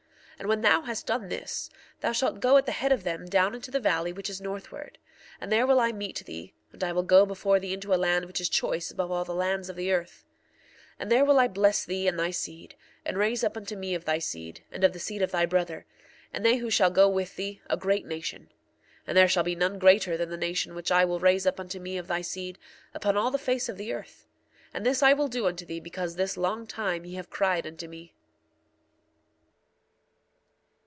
1:42 And when thou hast done this thou shalt go at the head of them down into the valley which is northward. And there will I meet thee, and I will go before thee into a land which is choice above all the lands of the earth. 1:43 And there will I bless thee and thy seed, and raise up unto me of thy seed, and of the seed of thy brother, and they who shall go with thee, a great nation. And there shall be none greater than the nation which I will raise up unto me of thy seed, upon all the face of the earth. And thus I will do unto thee because this long time ye have cried unto me.